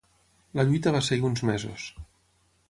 La lluita va seguir uns mesos.